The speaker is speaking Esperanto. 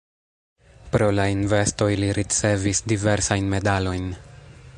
Pro la investoj li ricevis diversajn medalojn.